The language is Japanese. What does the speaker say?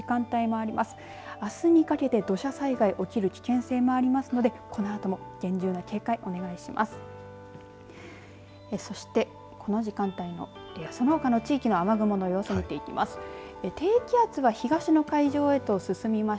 あすにかけて土砂災害起きる危険性もありますのでこのあとも厳重な警戒お願いします。